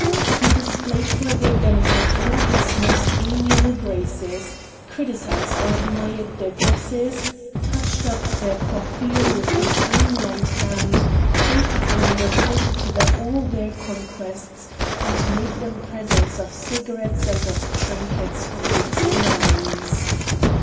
He displayed for their benefit all his most amiable graces; criticised or admired their dresses, touched up their coiffure with his own light hand, faithfully reported to them all their conquests, and made them presents of cigarettes and of trinkets from Castellani's.